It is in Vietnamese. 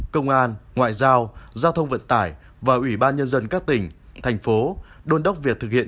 công an ngoại giao giao thông vận tải và ủy ban nhân dân các tỉnh thành phố đôn đốc việc thực hiện